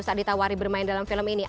saat ditawari bermain dalam film ini